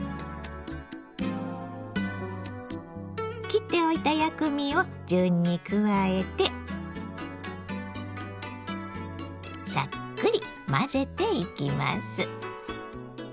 切っておいた薬味を順に加えてサックリ混ぜていきます。